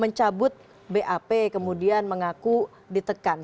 mencabut bap kemudian mengaku ditekan